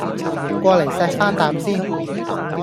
過黎錫返啖先